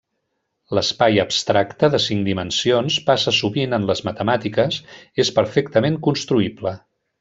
L'espai abstracte de cinc dimensions passa sovint en les matemàtiques, és perfectament construïble.